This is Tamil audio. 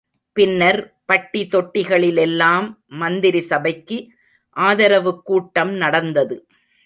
பின்னர் பட்டி தொட்டிகளிலெல்லாம் மந்திரிசபைக்கு ஆதரவுக்கூட்டம் நடந்தது.